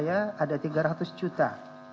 ada tiga ratus juta